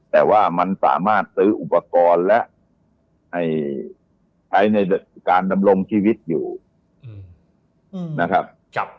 แต่ว่ามันสามารถซื้ออุปกรณ์และใช้ในการดำรงชีวิตอยู่นะครับ